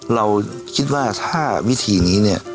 เราคิดว่าถ้าวิธีนี้